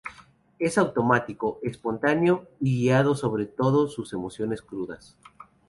Es automático, espontáneo, y guiado sobre todo por sus emociones crudas.